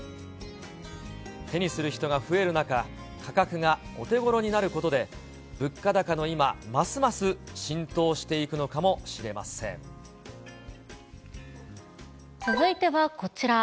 手にする人が増える中、価格がお手ごろになることで、物価高の今、ますます浸透していくのかもしれ続いてはこちら。